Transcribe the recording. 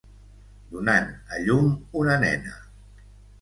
Donant a llum una nena.